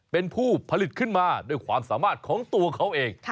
เป็นผู้ผลิตขึ้นมาด้วยความสามารถของตัวเขาเอง